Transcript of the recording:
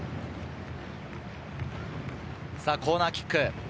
さぁコーナーキック。